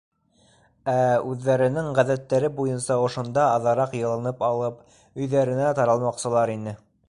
Ә үҙҙәренең ғәҙәттәре буйынса ошонда аҙыраҡ йылынып алып, өйҙәренә таралмаҡсылар ине.